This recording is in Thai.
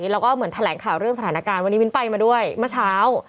แล้วก็เหมือนแถลงข่าวเรื่องสถานการณ์วันนี้มิ้นไปมาด้วยเมื่อเช้า